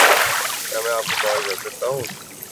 کیا میں آپ کو کال کر سکتا ہوں